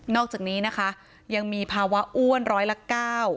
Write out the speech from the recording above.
นอกจากนี้นะคะยังมีภาวะอ้วน๑๐๐ละ๙